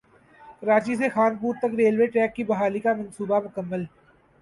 کراچی سے خانپور تک railway track کی بحالی کا منصوبہ مکمل